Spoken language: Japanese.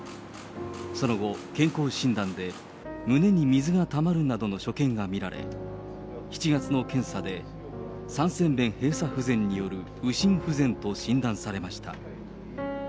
その後、健康診断で胸に水がたまるなどの所見が見られ、７月の検査で三尖弁閉鎖不全による右心不全と診断されました。